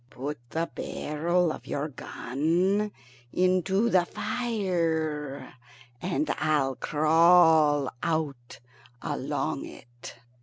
"Put the barrel of your gun into the fire, and I'll crawl out along it."